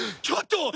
ちょっと！